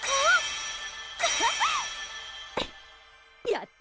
やった！